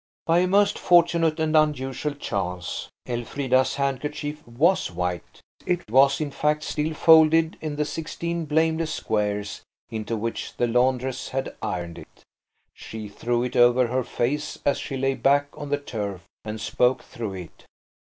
By a most fortunate and unusual chance, Elfrida's handkerchief was white: it was, in fact, still folded in the sixteen blameless squares into which the laundress had ironed it. She threw it over her face as she lay back on the turf and spoke through it.